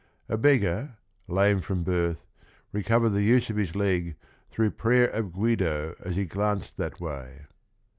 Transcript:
A beggar, lame froSPbir th, rec overed the use of his leg "through prayer of Guido as he glanced that way."